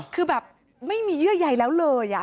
คือแบบไม่มีเยื่อใยแล้วเลย